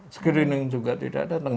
screening juga tidak datang